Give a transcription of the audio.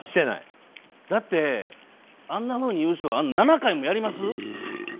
だって、あんなふうに言う人が７回もやります？